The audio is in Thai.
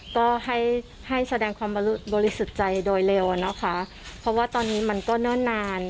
ก็ให้ให้แสดงความบริสุทธิ์ใจโดยเร็วอะนะคะเพราะว่าตอนนี้มันก็เนิ่นนาน